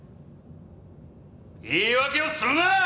言い訳をするな！